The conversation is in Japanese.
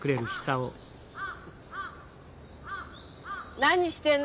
何してんの？